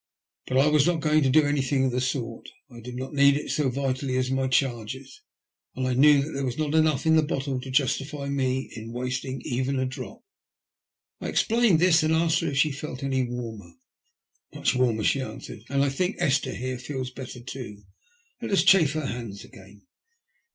But I was not going to do anything of the sort. I did not need it so vitally as my charges, and I knew that there was not enough in the bottle to justify me in wasting even a drop. I explained this and then asked her if she felt any warmer. " Much warmer," she answered, " and I think Esther here feels better too. Let us chafe her hands again."